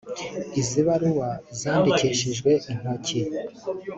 Izi baruwa zandikishijwe intoki